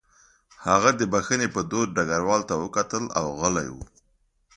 هغه د بښنې په دود ډګروال ته وکتل او غلی و